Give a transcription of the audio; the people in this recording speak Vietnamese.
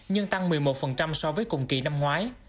nhưng tăng một mươi một so với cùng kỳ năm ngoái